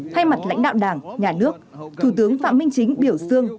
thay mặt lãnh đạo đảng nhà nước thủ tướng phạm minh chính biểu dương